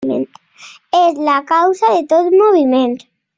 És la causa de tot moviment.